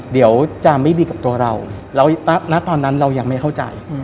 เดี๋ยวจะไม่ดีกับตัวเราแล้วณตอนนั้นเรายังไม่เข้าใจ